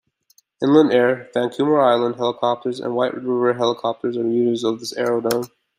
Inland Air, Vancouver Island Helicopters and White River Helicopters are users of this aerodrome.